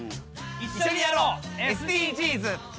一緒にやろうＳＤＧｓ